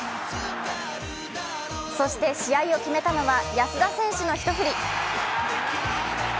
そして試合を決めたのは安田選手の一振り。